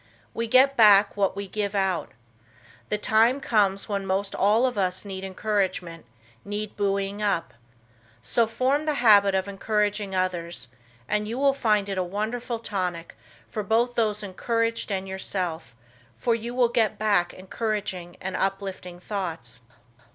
We get back what we give out. The time comes when most all of us need encouragement; need buoying up. So form the habit of encouraging others, and you will find it a wonderful tonic for both those encouraged and yourself, for you will get back encouraging and uplifting thoughts.